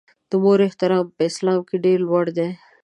د مور احترام په اسلام کې ډېر لوړ دی.